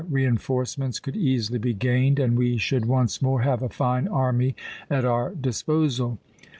Reinforcements could easily be gained and we should once more have a fine army at our disposal."